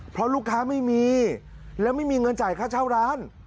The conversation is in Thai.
เพราะลูกค้าไม่มีแล้วไม่มีเงินจ่ายค่าเช่าร้าน